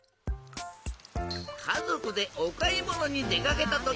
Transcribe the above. かぞくでおかいものにでかけたときのこと。